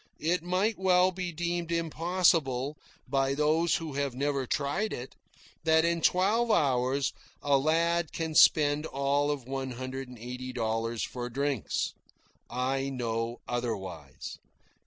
It might well be deemed impossible, by those who have never tried it, that in twelve hours a lad can spend all of one hundred and eighty dollars for drinks. I know otherwise.